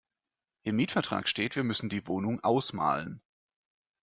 Im Mietvertrag steht, wir müssen die Wohnung ausmalen.